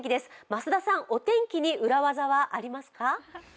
増田さん、お天気に裏技はありますか？